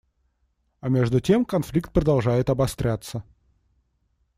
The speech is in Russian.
А между тем конфликт продолжает обостряться.